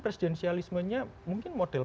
presidensialismenya mungkin model